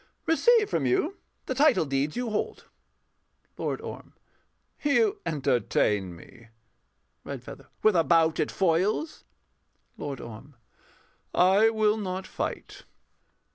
Receive from you the title deeds you hold. LORD ORM. You entertain me. REDFEATHER. With a bout at foils? LORD ORM. I will not fight.